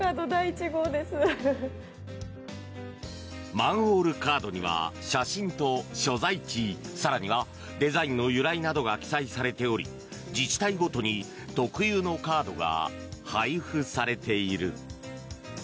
マンホールカードには写真と所在地更にはデザインの由来などが記載されており自治体ごとに特有のカードが配布されている。